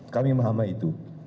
kami memahami itu